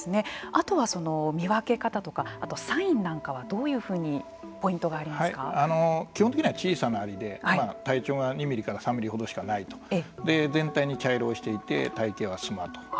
あとは見分け方とかあとサインなんかはどういうふうに基本的には小さなアリで体長が２ミリから３ミリほどしかないと全体に茶色をしていて体形はスマート。